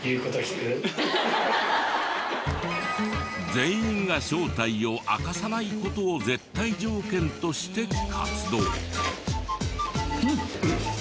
全員が正体を明かさない事を絶対条件として活動。